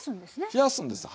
冷やすんです。